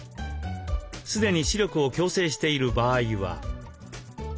既に視力を矯正している場合は。